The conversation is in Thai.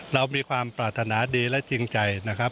เรามีความปรารถนาดีและจริงใจนะครับ